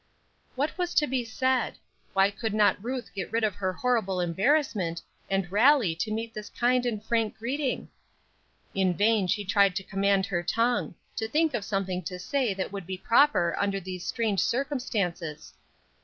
What was to be said? Why could not Ruth get rid of her horrible embarrassment and rally to meet this kind and frank greeting? In vain she tried to command her tongue; to think of something to say that would be proper under these strange circumstances.